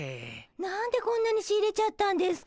何でこんなに仕入れちゃったんですか？